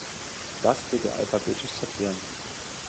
Das bitte alphabetisch sortieren.